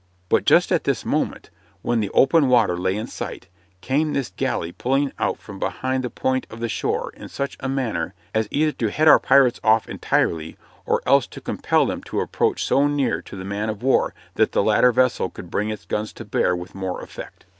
But just at this moment, when the open water lay in sight, came this galley pulling out from behind the point of the shore in such a manner as either to head our pirates off entirely or else to compel them to approach so near to the man of war that that latter vessel could bring its guns to bear with more effect.